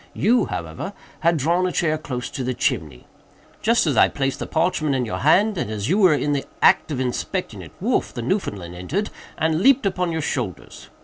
You, however, had drawn a chair close to the chimney. Just as I placed the parchment in your hand, and as you were in the act of inspecting it, Wolf, the Newfoundland, entered, and leaped upon your shoulders.